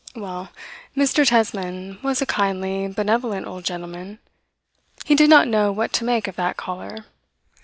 Well, Mr. Tesman was a kindly, benevolent old gentleman. He did not know what to make of that caller.